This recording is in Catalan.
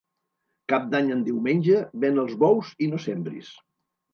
Cap d'Any en diumenge, ven els bous i no sembris.